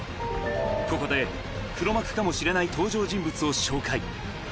ここで黒幕かもしれない登場人物を紹介